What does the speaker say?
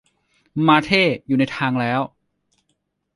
มาเธ่อยู่ในทางแล้ว